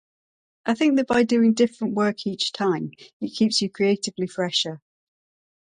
I think that by doing different work each time, it keeps you creatively fresher.